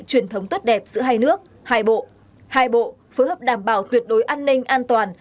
truyền thống tốt đẹp giữa hai nước hai bộ phối hợp đảm bảo tuyệt đối an ninh an toàn